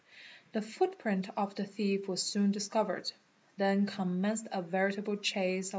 The footprint of the _ thief was soon discovered. Then commenced a veritable chase of.